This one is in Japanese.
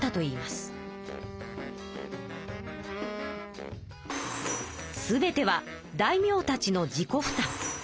すべては大名たちの自己負担。